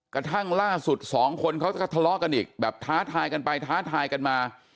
กระทั่งล่าสุดสองคนเขาก็ทะเลาะกันอีกแบบท้าทายกันไปท้าทายกันมา